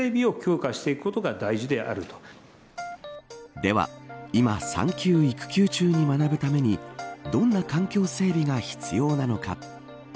では、今産休・育休中に学ぶためにどんな環境整備が必要なのか。